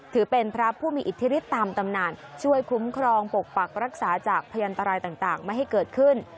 ถือเป็นพระผู้มีอิทธิฤทธิตามตำนานช่วยคุ้มครองปกปักรักษาจากพยันตรายต่างไม่ให้เกิดขึ้น